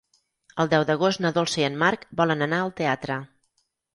El deu d'agost na Dolça i en Marc volen anar al teatre.